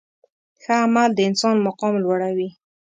ښه عمل د انسان مقام لوړوي.